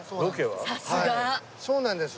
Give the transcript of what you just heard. はいそうなんです。